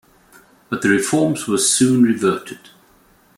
But the reforms were soon reverted.